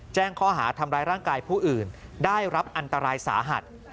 แจ้งข้อหาทำร้ายร่างกายผู้อื่นได้รับอันตรายสาหัส